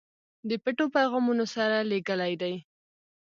د پټو پیغامونو سره لېږلی دي.